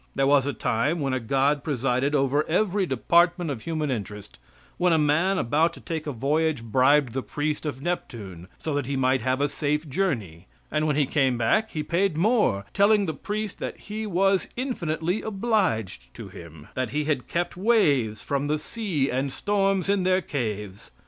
There was a time when a God presided over every department of human interest, when a man about to take a voyage bribed the priest of Neptune so that he might have a safe journey, and when he came back, he paid more, telling the priest that he was infinitely obliged to him; that he had kept waves from the sea and storms in their caves.